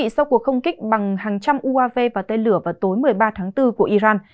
sau cuộc không kích bằng hàng trăm uav và tên lửa vào tối một mươi ba tháng bốn của iran